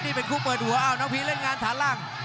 นี่เป็นคู่เปิดหัวอ้าวน้องพีเล่นงานฐานล่าง